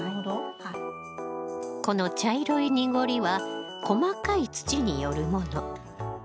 この茶色い濁りは細かい土によるもの。